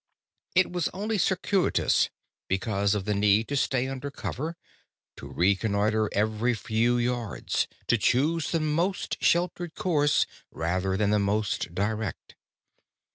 It was only circuitous, because of the need to stay under cover, to reconnoiter every few yards, to choose the most sheltered course rather than the most direct.